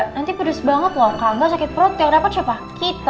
nanti pedes banget loh kaga sakit perut yang rapat siapa kita